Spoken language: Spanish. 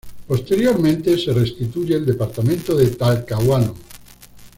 Posteriormente, se restituye el Departamento de Talcahuano.